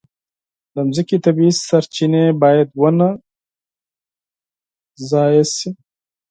د مځکې طبیعي سرچینې باید ونه ضایع شي.